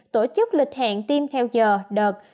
tổ chức lịch hẹn tiêm theo giờ đợt